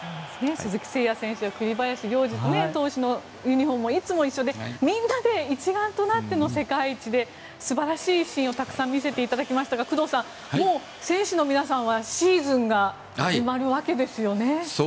鈴木誠也選手や栗林良吏投手のユニホームもいつも一緒でみんなで一丸となっての世界一で素晴らしいシーンをたくさん見せていただきましたが工藤さん、選手の皆さんはシーズンが始まるわけですよね。